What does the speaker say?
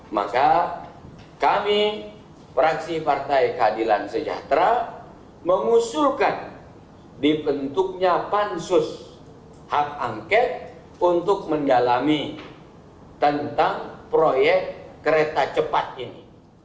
maka kami fraksi partai keadilan sejahtera mengusulkan di bentuknya pansus h angket untuk mendalami tentang proyek kereta cepat ini